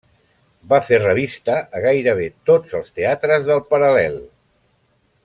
Va fer revista a gairebé tots els teatres del Paral·lel.